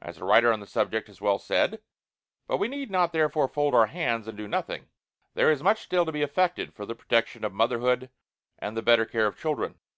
As a writer on the subject has well said: "But we need not therefore fold our hands and do nothing. There is much still to be effected for the protection of motherhood and the better care of children.